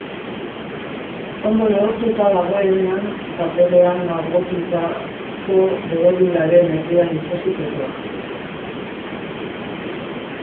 Ondo lehortuta dagoenean, paperean margotutako borobilaren erdian itsatsi potoa.